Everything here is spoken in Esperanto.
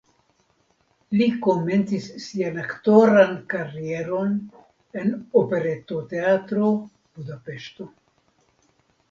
Li komencis sian aktoran karieron en Operetoteatro (Budapeŝto).